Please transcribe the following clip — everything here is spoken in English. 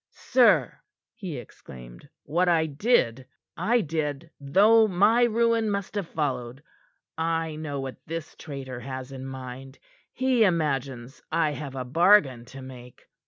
"Sir," he exclaimed, "what I did, I did though my ruin must have followed. I know what this traitor has in mind. He imagines I have a bargain to make.